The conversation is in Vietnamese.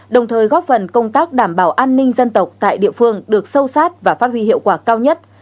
đồng thời góp phần công tác đảm bảo an ninh dân tộc tại địa phương được sâu sát và phát huy hiệu quả cao nhất